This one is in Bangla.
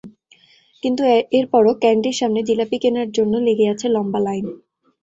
কিন্তু এরপরও ক্যান্ডির সামনে জিলাপি কেনার জন্য লেগে আছে লম্বা লাইন।